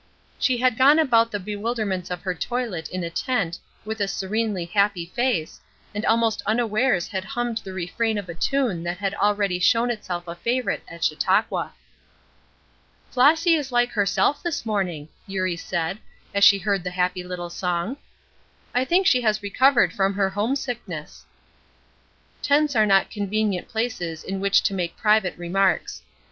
She had gone about the bewilderments of her toilet in a tent with a serenely happy face, and almost unawares had hummed the refrain of a tune that had already shown itself a favorite at Chautauqua. "Flossy is like herself this morning," Eurie said, as she heard the happy little song. "I think she has recovered from her home sickness." Tents are not convenient places in which to make private remarks.